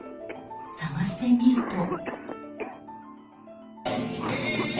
探してみると。